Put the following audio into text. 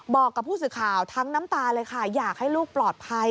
บอกกับผู้สื่อข่าวทั้งน้ำตาเลยค่ะอยากให้ลูกปลอดภัย